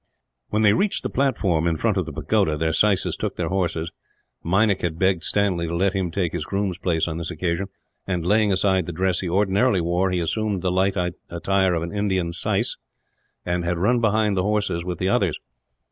When they reached the platform in front of the pagoda, their syces took their horses. Meinik had begged Stanley to let him take his groom's place on this occasion and, laying aside the dress he ordinarily wore, assumed the light attire of an Indian syce, and had run behind the horses with the others.